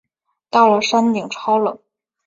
到了山顶超冷